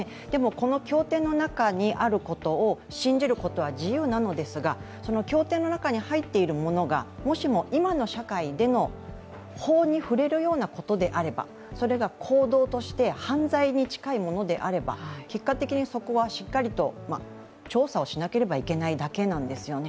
この教典の中にあることを信じることは自由なのですが、その教典の中に入っているものが、もしも今の社会での法に触れるようなことであればそれが行動として犯罪に近いものであれば結果的にそこはしっかりと調査をしなければいけないだけなんですよね。